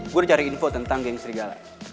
gue cari info tentang geng serigala